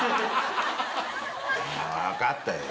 分かったよ。